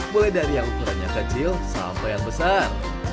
mulai dari yang ukurannya kecil sampai yang besar